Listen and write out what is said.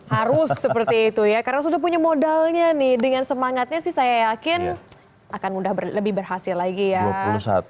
harus seperti itu ya karena sudah punya modalnya nih dengan semangatnya sih saya yakin akan mudah lebih berhasil lagi ya